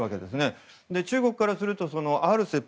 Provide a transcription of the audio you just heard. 中国からするとＲＣＥＰ